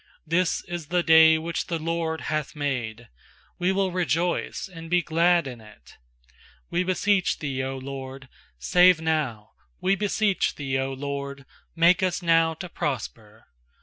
24This is the day which the LORD hath made; We will rejoice and be glad in it. 25We beseech Thee, 0 LORD, save now! We beseech Thee, 0 LORD, make us now to prosper!